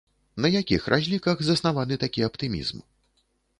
На якіх разліках заснаваны такі аптымізм?